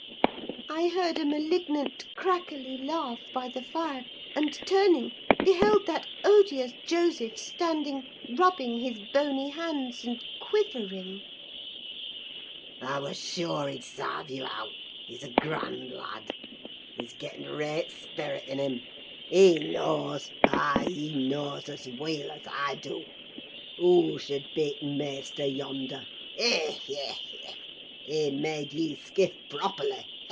I heard a malignant, crackly laugh by the fire, and turning, beheld that odious Joseph standing rubbing his bony hands, and quivering. "'I wer sure he'd sarve ye out! He's a grand lad! He's getten t' raight sperrit in him! He knaws—ay, he knaws, as weel as I do, who sud be t' maister yonder—Ech, ech, ech! He made ye skift properly!